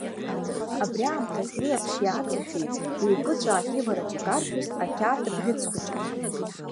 Абри аамҭаз илаԥш иааҵашәеит, еиқәыцәаак ивараҿ икаршәыз ақьаад бӷьыц хәыҷы.